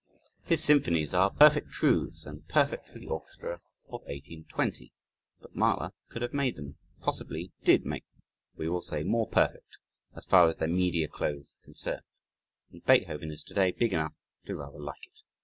His symphonies are perfect truths and perfect for the orchestra of 1820 but Mahler could have made them possibly did make them we will say, "more perfect," as far as their media clothes are concerned, and Beethoven is today big enough to rather like it.